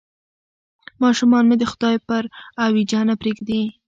ماشومان مې د خدای پر اوېجه نه پرېږدي.